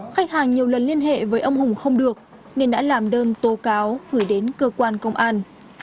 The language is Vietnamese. khách hàng nhiều lần liên hệ với ông hùng không được nên đã làm đơn tố cáo gửi đến cơ quan công an